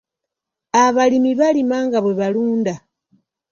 Abalimi balima nga bwe balunda.